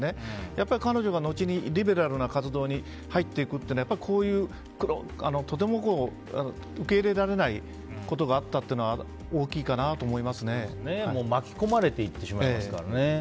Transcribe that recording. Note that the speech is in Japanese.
やっぱり彼女が後にリベラルな活動に入っていくのはやっぱりこういう、とても受け入れられないことがあったというのが巻き込まれていってしまいますからね。